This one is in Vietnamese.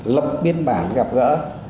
lập biên bản gặp gỡ